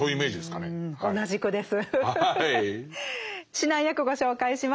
指南役ご紹介します。